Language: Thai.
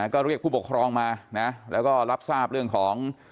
ก็เรียกผู้ปกครองมานะแล้วก็รับทราบเรื่องของ